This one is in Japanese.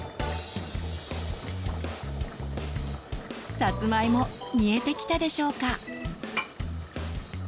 さつまいも煮えてきたでしょうか。